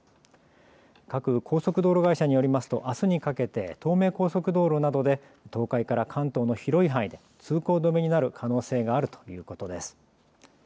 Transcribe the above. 各高速道路会社によりますとあすにかけて東名高速道路などで東海から関東の広い範囲で通行止めになる可能性があるということです。